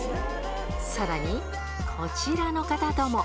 さらに、こちらの方とも。